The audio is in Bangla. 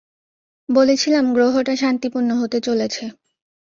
বলেছিলাম গ্রহটা শান্তিপূর্ণ হতে চলেছে।